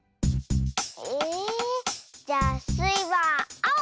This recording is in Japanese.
えじゃあスイはあお！